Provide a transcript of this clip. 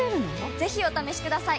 ぜひお試しください！